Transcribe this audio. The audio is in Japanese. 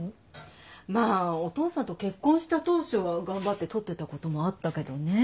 まあお父さんと結婚した当初は頑張ってとってたこともあったけどね。